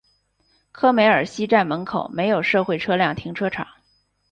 科梅尔西站门口设有社会车辆停车场。